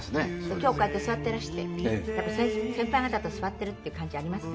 今日こうやって座っていらして先輩方と座っているっていう感じありますか？